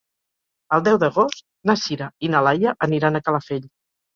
El deu d'agost na Sira i na Laia aniran a Calafell.